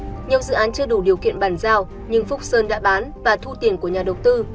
trong vụ án nhiều dự án chưa đủ điều kiện bàn giao nhưng phúc sơn đã bán và thu tiền của nhà đầu tư